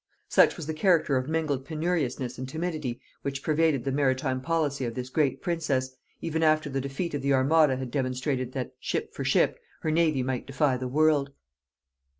Such was the character of mingled penuriousness and timidity which pervaded the maritime policy of this great princess, even after the defeat of the armada had demonstrated that, ship for ship, her navy might defy the world!